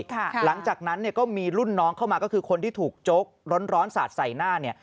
แล้วหลังจากนั้นก็มีรุ่นน้องเข้ามาคือคนที่ถูกจกร้อนสาดใส่หน้า